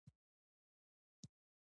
د بروغیل کوتل چترال او واخان نښلوي